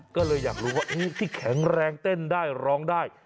ก็เลยอยากรู้ว่าที่แข็งแรงเต้นได้ร้องได้